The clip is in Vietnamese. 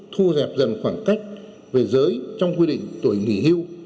thu hẹp dần khoảng cách về giới trong quy định tuổi nghỉ hưu